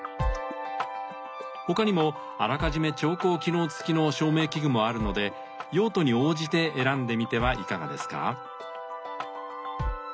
他にもあらかじめ調光機能付きの照明器具もあるので用途に応じて選んでみてはいかがですか？